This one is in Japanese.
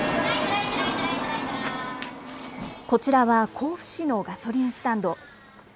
こちらは甲府市のガソリンスタンド。